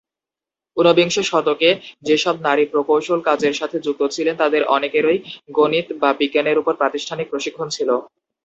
ঊনবিংশ শতকে, যে সব নারী প্রকৌশল কাজের সাথে যুক্ত ছিলেন তাদের অনেকেরই গণিত বা বিজ্ঞানের উপর প্রাতিষ্ঠানিক প্রশিক্ষণ ছিল।